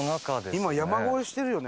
今山越えしてるよね